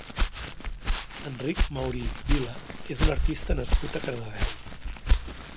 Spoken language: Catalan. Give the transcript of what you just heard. Enric Maurí Vila és un artista nascut a Cardedeu.